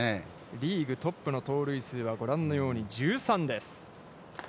リーグトップの盗塁数は、ご覧のように１３です。